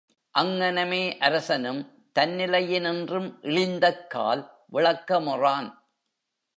அங்ஙனமே அரசனும் தன்னிலையினின்றும் இழிந்தக்கால் விளக்கமுறான்.